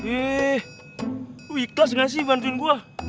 ih lu ikhlas gak sih bantuin gua